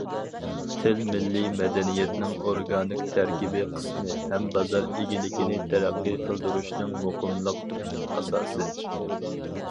تىل مىللىي مەدەنىيەتنىڭ ئورگانىك تەركىبىي قىسمى ھەم بازار ئىگىلىكىنى تەرەققىي قىلدۇرۇشنىڭ، مۇقىملىقنىڭ ئاساسى.